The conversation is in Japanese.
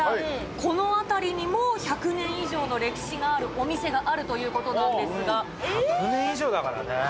この辺りにも１００年以上の歴史があるお店があるということなん１００年以上だからね。